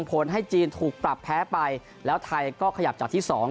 ผลให้จีนถูกปรับแพ้ไปแล้วไทยก็ขยับจากที่สอง